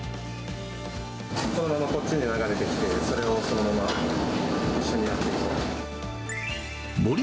このままこっちに流れてきて、それをこのまま一緒にやっていこう。